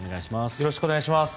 よろしくお願いします。